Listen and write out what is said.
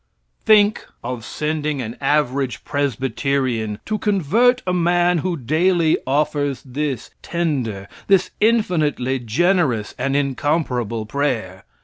Think of sending an average Presbyterian to convert a man who daily offers this tender, this infinitely generous and incomparable prayer!